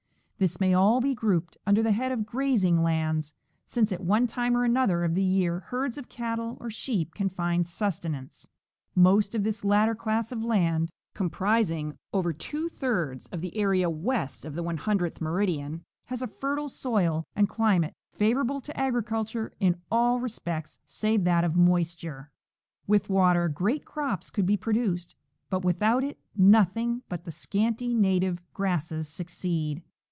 This may all be grouped under the head of grazing lands, since at one time or another of the year herds of cattle or sheep can find sustenance. Most of this latter class of land, com prising over two thirds of the area west of the 100th meridian, has a fertile soil and climate favorable to agriculture in all re spects save that of moisture. With water, great crops could be produced, but without it nothing but the scanty native grasses succeed.